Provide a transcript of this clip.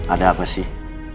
ada apa sih